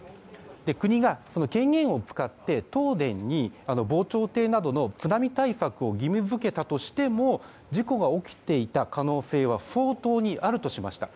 国が権限を使って、東電に防潮堤などの津波対策を義務付けたとしても事故が起きていた可能性は相当にあるとしました。